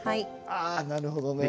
あなるほど。